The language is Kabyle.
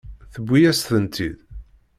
Tewwi-yas-tent-id.